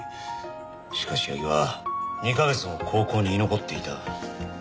しかし矢木は２カ月も高校に居残っていた。